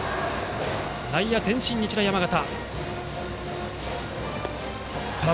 内野は前進、日大山形。